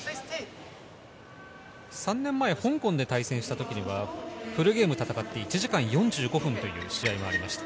３年前、香港で対戦した時にはフルゲームを戦って１時間４５分の試合でした。